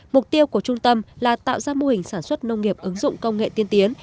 mục tiêu của trung tâm là tạo ra mô hình sản xuất nông nghiệp ứng dụng công nghệ tiên tiến